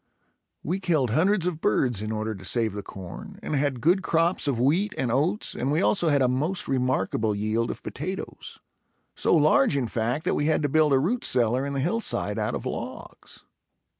We killed hundreds of birds in order to save the corn and had good crops of wheat and oats and we also had a most remarkable yield of potatoes; so large in fact, that we had to build a root cellar in the hillside out of logs.